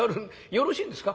よろしいんですか？